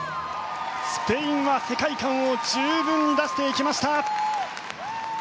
スペインは世界観を十分に出していきました！